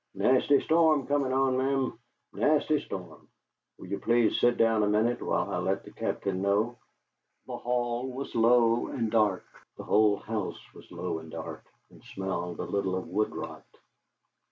Nasty storm coming on, ma'am nasty storm. Will you please to sit down a minute, while I let the Captain know?" The hall was low and dark; the whole house was low and dark, and smelled a little of woodrot.